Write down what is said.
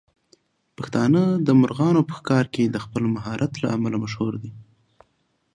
پښتانه د مرغانو په ښکار کې د خپل مهارت له امله مشهور دي.